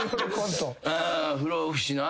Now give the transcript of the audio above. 不老不死な。